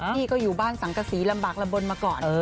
พี่ก็อยู่บ้านสังกษีลำบากลำบลมาก่อน